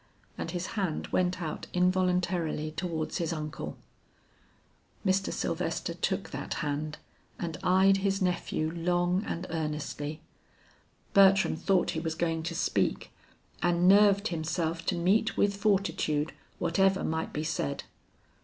And his hand went out involuntarily towards his uncle. Mr. Sylvester took that hand and eyed his nephew long and earnestly. Bertram thought he was going to speak, and nerved himself to meet with fortitude whatever might be said.